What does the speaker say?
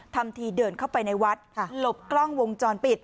ทำทีเดินเข้าไปในวัดหลบกล้องวงจรปิด